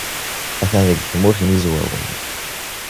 Atan deg Tmurt n Yizwawen.